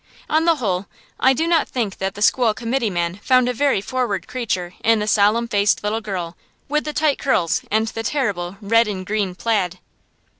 On the whole, I do not think that the School Committeeman found a very forward creature in the solemn faced little girl with the tight curls and the terrible red and green "plaid."